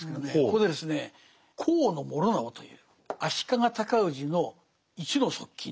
ここでですね高師直という足利尊氏の一の側近。